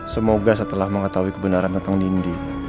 semoga setelah mengetahui kebenaran tentang nindi